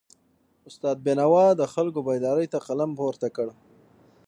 استاد بینوا د خلکو بیداری ته قلم پورته کړ.